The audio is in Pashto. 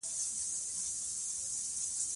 موږ باید مالي تحلیل زده کړو.